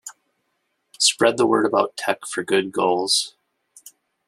Spread the word about tech for good goals.